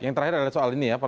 yang terakhir adalah soal ini ya